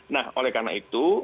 nah oleh karena itu